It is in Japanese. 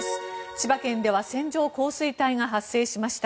千葉県では線状降水帯が発生しました。